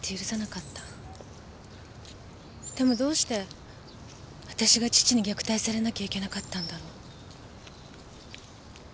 でもどうしてあたしが父に虐待されなきゃいけなかったんだろう？